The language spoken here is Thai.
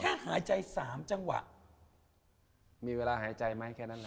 แค่หายใจ๓จังหวะมีเวลาหายใจไหมแค่นั้นแหละ